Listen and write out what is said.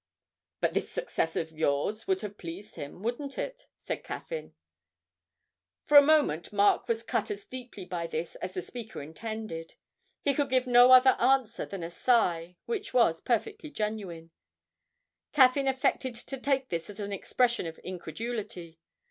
'But this success of yours would have pleased him, wouldn't it?' said Caffyn. For a moment Mark was cut as deeply by this as the speaker intended; he could give no other answer than a sigh, which was perfectly genuine. Caffyn affected to take this as an expression of incredulity.